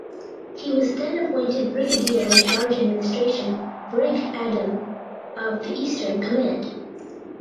He was then appointed Brigadier in charge administration (Brig Adm) of the Eastern Command.